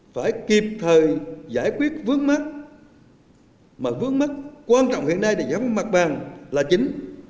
phải kịp thời giải quyết vướng mắt mà vướng mắt quan trọng hiện nay để giải phục mặt bàn là chính